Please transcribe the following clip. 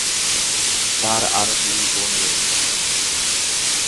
তার আরও দুই বোন রয়েছে।